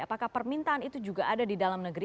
apakah permintaan itu juga ada di dalam negeri